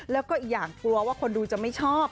แล้วก็อีกอย่างกลัวว่าคนดูจะไม่ชอบ